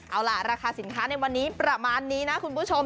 เอาล่ะราคาสินค้าในวันนี้ประมาณนี้นะคุณผู้ชม